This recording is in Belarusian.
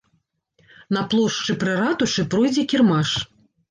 На плошчы пры ратушы пройдзе кірмаш.